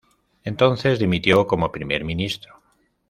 Entonces, dimitió como primer ministro.